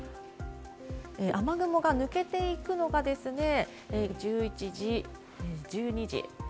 雨雲が抜けていくのが、１１時、１２時。